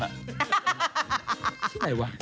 ที่ไหนวะ